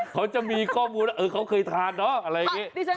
เขาจมีข้อมูลว่าเออเขาเคยทานเนอะอะไรเหี้ย